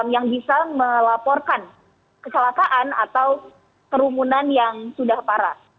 yang bisa melaporkan kecelakaan atau kerumunan yang sudah parah